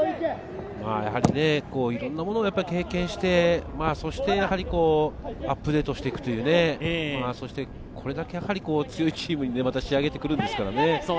やはりいろんなものを経験して、アップデートしていくという、そしてこれだけやはり強いチームに仕上げてくるんですからね。